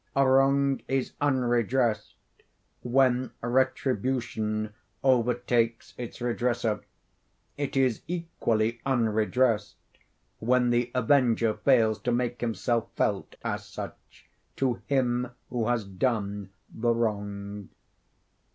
A wrong is unredressed when retribution overtakes its redresser. It is equally unredressed when the avenger fails to make himself felt as such to him who has done the wrong.